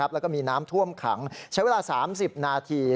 แล้วก็มีน้ำท่วมขังใช้เวลา๓๐นาที